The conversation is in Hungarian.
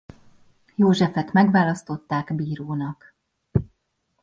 Józsefet meg választották bírónak.